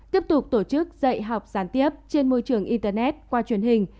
tiếp tục tổ chức dạy học gián tiếp trên môi trường internet qua truyền hình